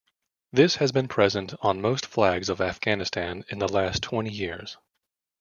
This has been present on most flags of Afghanistan in the last twenty years.